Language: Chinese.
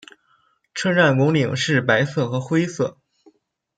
车站拱顶是白色和灰色。